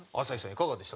いかがでした？